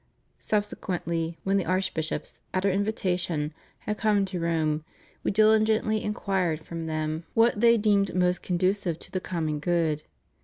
Sub sequently, when the archbishops, at Our invitation, had come to Rome, We diligently inquired from them what they deemed most conducive to the common good.